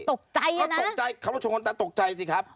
ตกใจนะเขาตกใจเขาต้องช่วยคนตาตกใจสิครับ